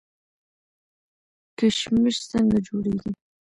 کشمش څنګه جوړیږي؟